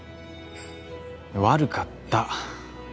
悪かった。